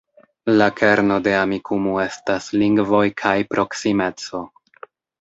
La kerno de Amikumu estas lingvoj kaj proksimeco.